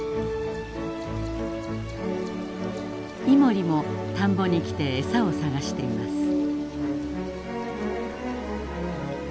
イモリも田んぼに来て餌を探しています。